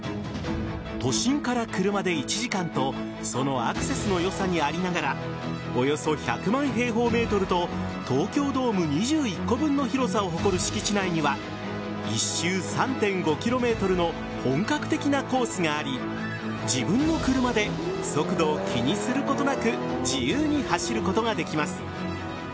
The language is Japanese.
都心から車で１時間とそのアクセスのよさにありながらおよそ１００万平方ｍと東京ドーム２１個分の広さを誇る敷地内には１周３．５ｋｍの本格的なコースがあり自分の車で速度を気にすることなく自由に走ることができます。